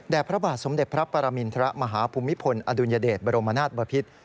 และพระบาทสมเด็จพระปรามิณฑระมหาภูมิพลอดุญเดชบรมนาฏบพิธ